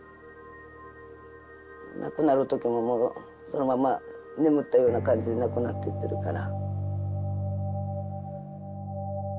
亡くなる時ももうそのまま眠ったような感じで亡くなっていってるから。